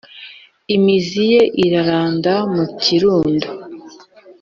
imizi ye iraranda mu kirundo,